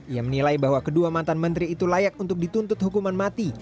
ia menilai bahwa kedua mantan menteri itu layak untuk dituntut hukuman mati